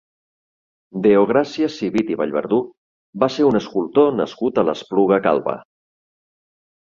Deogràcies Civit i Vallverdú va ser un escultor nascut a l'Espluga Calba.